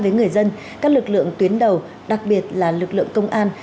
với người dân các lực lượng tuyến đầu đặc biệt là lực lượng công an